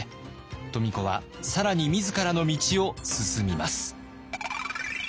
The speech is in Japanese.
富子は更に自らの道を進みます。